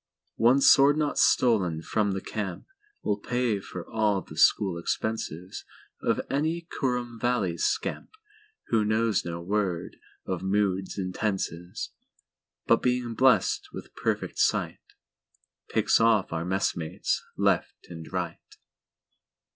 One sword knot stolen from the campWill pay for all the school expensesOf any Kurrum Valley scampWho knows no word of moods and tenses, But, being blessed with perfect sight, Picks off our messmates left and right.